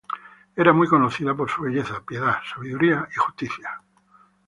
Era muy conocida por su belleza, piedad, sabiduría y justicia.